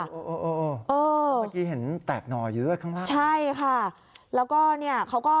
อ่ออออเมื่อกี้เห็นแตกหน่อยืดข้างล่าง